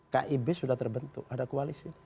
kib sudah terbentuk ada koalisi